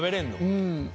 うん。